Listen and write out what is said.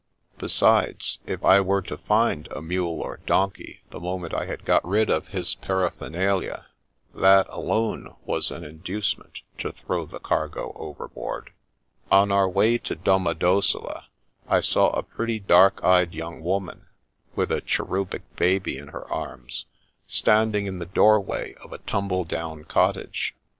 Besides, if I were to find a mule or donkey the moment I had got rid of his paraphernalia, that alone was an inducement to throw the cargo overboard. On our way to Domodossola, I saw a pretty dark eyed young woman, with a cherubic baby in her arms, standing in the doorway of a tumble down cottage.